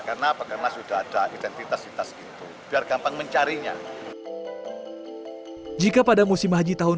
karena karena sudah ada identitas identitas itu biar gampang mencarinya jika pada musim haji tahun